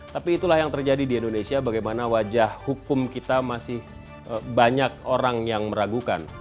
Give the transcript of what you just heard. tapi itulah yang terjadi di indonesia bagaimana wajah hukum kita masih banyak orang yang meragukan